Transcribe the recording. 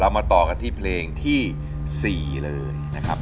มาต่อกันที่เพลงที่๔เลยนะครับ